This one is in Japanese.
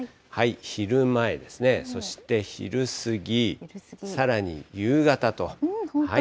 昼前ですね、そして昼過ぎ、さらに夕方と。